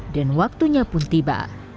dan waktunya pun tiba